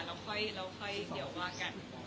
แล้วค่อยเดี๋ยวว่ากัน